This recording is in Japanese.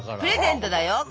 プレゼントだよ